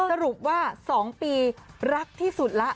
สรุปว่าสองปีรักที่สุดละ